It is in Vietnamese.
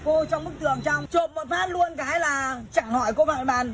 cô trong bức tường trong chộp một phát luôn cái là chẳng hỏi cô vào cái bàn